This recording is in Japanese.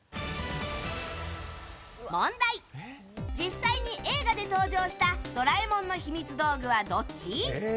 実際に映画で登場した「ドラえもん」のひみつ道具はどっち？